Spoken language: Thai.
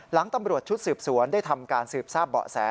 หลังตำรวจชุดสืบสวนได้ทำการสืบทราบเบาะแส